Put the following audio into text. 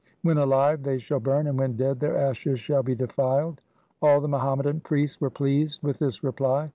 When alive they shall burn, and when dead their ashes shall be defiled.' All the Muhammadan priests were pleased with this reply.